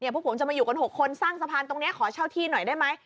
พวกผมจะมาอยู่กัน๖คนสร้างสะพานตรงนี้ขอเช่าที่หน่อยได้ไหม